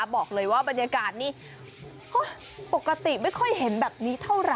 บอกเลยว่าบรรยากาศนี้ปกติไม่ค่อยเห็นแบบนี้เท่าไหร